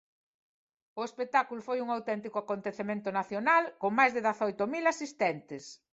O espectáculo foi un auténtico acontecemento nacional con máis de dezaoito mil asistentes.